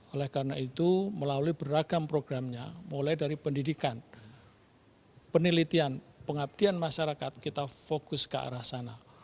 oleh karena itu melalui beragam programnya mulai dari pendidikan penelitian pengabdian masyarakat kita fokus ke arah sana